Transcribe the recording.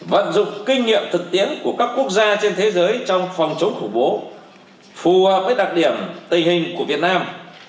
bận dụng kinh nghiệm thực tiễn của các quốc gia trên thế giới trong phòng chống khủng bố phù hợp với đặc điểm tình hình của việt nam